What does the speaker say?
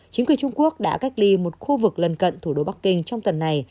chính quyền trung quốc đã cách ly một khu vực lần cận thủ đô bắc kinh trong tuần này